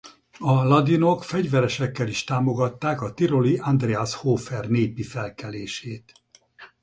A ladinok fegyveresekkel is támogatták a tiroli Andreas Hofer népi felkelését.